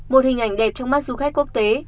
một hình ảnh đẹp trong mắt du khách quốc tế